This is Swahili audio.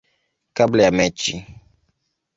kabla ya mechi.